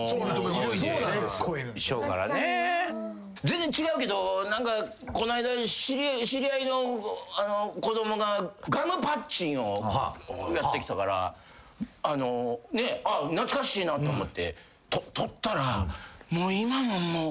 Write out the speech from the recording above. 全然違うけどこの間知り合いの子供がガムパッチンをやってきたから懐かしいなと思って取ったら今のもう。